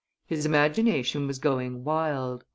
His imagination was going wild.